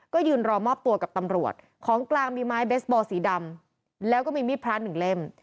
ก็ยืนรอมอบตัวกับตำรวจของกลางมีไม้เบสบอลสีดำแล้วก็มีมีดพระหนึ่งเล่ม